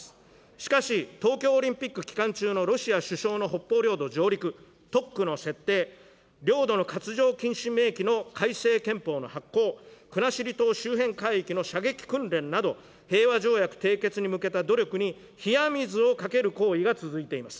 しかし、東京オリンピック期間中のロシア首相の北方領土上陸、特区の設定、領土の割譲禁止明記の改正憲法の発効、国後島周辺海域の射撃訓練など、平和条約締結に向けた努力に冷や水をかける行為が続いています。